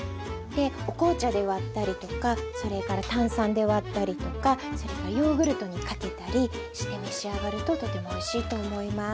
お紅茶で割ったりとかそれから炭酸で割ったりとかそれからヨーグルトにかけたりして召し上がるととてもおいしいと思います。